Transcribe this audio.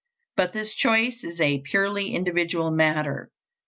But this choice is a purely individual matter.